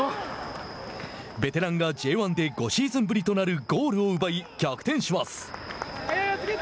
ベテランがＪ１で５シーズンぶりとなるゴールを奪い、逆転します。